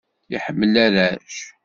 Iḥemmel arrac.